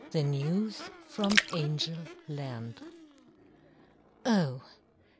THE NEWS FROM ANGEL LAND Oh!